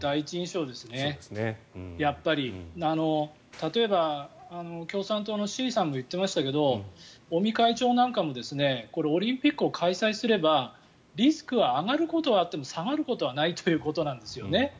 例えば、共産党の志位さんも言っていましたけど尾身会長なんかもオリンピックを開催すればリスクは上がることはあっても下がることはないということなんですよね。